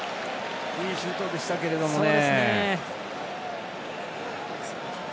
いいシュートでしたけどね。